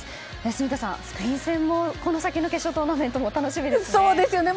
住田さん、スペイン戦もこの先の決勝トーナメント進出も楽しみですね。